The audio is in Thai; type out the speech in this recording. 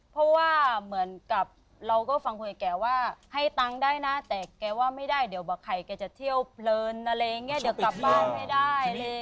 เพราะว่าเหมือนกับเราก็ฟังคุยกับแกว่าให้ตังค์ได้นะแต่แกว่าไม่ได้เดี๋ยวบะไข่แกจะเที่ยวเพลินอะไรอย่างนี้เดี๋ยวกลับบ้านไม่ได้